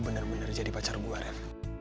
bener bener jadi pacar gue ref